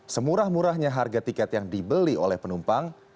semurah murahnya harga tiket yang dibeli oleh penumpang